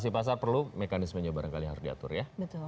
pasar perlu mekanisme nyebaran kali harga diatur ya